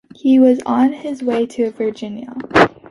He was on his way to Virginia.